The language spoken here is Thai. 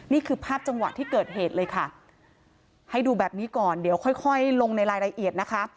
นี่คือภาพจังหวะที่เกิดเหตุเลยค่ะให้ดูแบบนี้ก่อนเดี๋ยวค่อยค่อยลงในรายละเอียดนะคะ